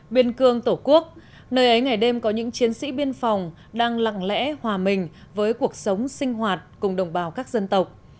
biên cương tổ quốc nơi ấy ngày đêm có những chiến sĩ biên phòng đang lặng lẽ hòa mình với cuộc sống sinh hoạt cùng đồng bào các dân tộc